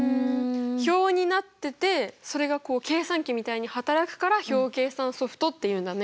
表になっててそれがこう計算機みたいに働くから表計算ソフトっていうんだね。